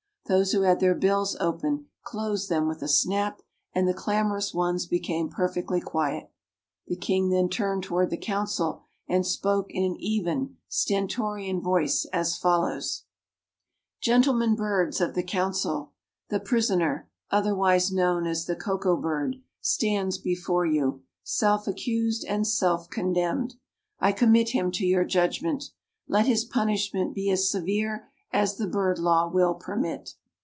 Those who had their bills open closed them with a snap and the clamorous ones became perfectly quiet. The king then turned toward the council and spoke in an even, stentorian voice, as follows: "Gentlemen birds of the council. The prisoner, otherwise known as the Koko bird, stands before you, self accused and self condemned. I commit him to your judgment. Let his punishment be as severe as the bird law will permit."